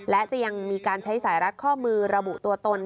และจะยังมีการใช้สายรัดข้อมือระบุตัวตน